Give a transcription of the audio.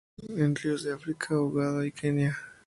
Se encuentran en ríos de África: Uganda y Kenia.